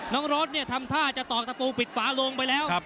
รถเนี่ยทำท่าจะตอกตะปูปิดฝาลงไปแล้ว